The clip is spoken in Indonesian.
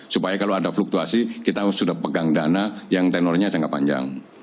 supaya kalau ada fluktuasi kita sudah pegang dana yang tenornya jangka panjang